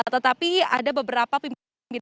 tetapi ada beberapa pimpinan